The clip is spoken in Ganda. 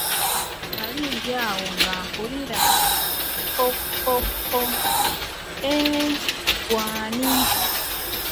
Nali ndi awo nga mpulira, kko kko kko, eeee ggwe ani?